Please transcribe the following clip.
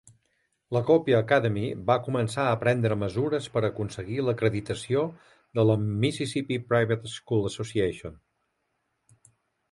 La Copiah Academy va començar a prendre mesures per aconseguir l'acreditació de la Mississippi Private School Association.